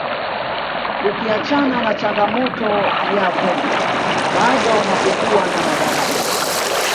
ukiachana na changamoto ya vumbi bado hakukuwa na madaraja